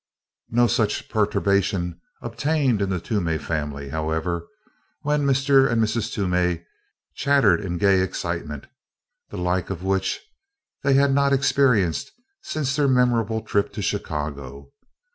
No such perturbation obtained in the Toomey family, however, where Mr. and Mrs. Toomey chattered in gay excitement, the like of which they had not experienced since their memorable trip to Chicago.